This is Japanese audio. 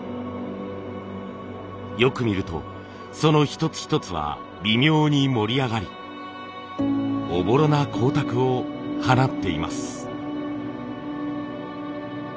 よく見るとその一つ一つは微妙に盛り上がりおぼろな光沢を放っています。